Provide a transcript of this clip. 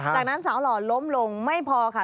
จากนั้นสาวหล่อล้มลงไม่พอค่ะ